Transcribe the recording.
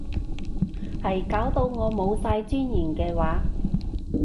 係搞到我冇晒尊嚴嘅話